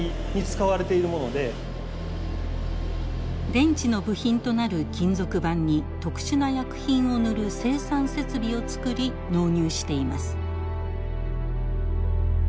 電池の部品となる金属板に特殊な薬品を塗る生産設備をつくり納入しています。